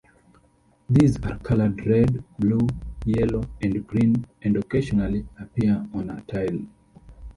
These are coloured red, blue, yellow and green and occasionally appear on a tile.